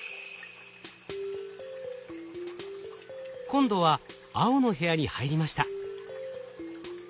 今度は青の部屋に入りました。